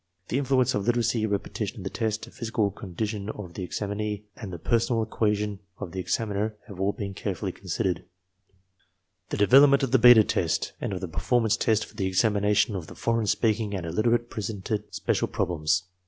The influence of literacy, repetition of the test, physical con dition of the examinee, and the personal equation of the exam iwr have all been carefully considered. 10 ARMY MENTAL TESTS The development of the beta test and of the performance test for the examination of the foreign speaking and illiterate pre sented special problems.